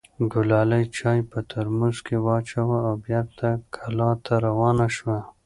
ګلالۍ چای په ترموز کې واچوه او بېرته کلا ته روانه شوه.